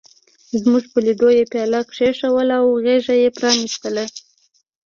زموږ په لیدو یې پياله کېښوده او غېږه یې پرانستله.